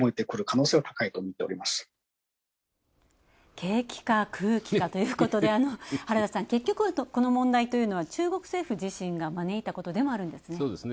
景気か空気かということで、原田さん、結局この問題というのは中国政府自身が招いたことでもあるんですね。